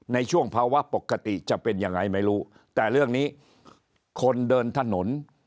ในช่วงภาวะปกติจะเป็นยังไงไม่รู้แต่เรื่องนี้คนเดินถนน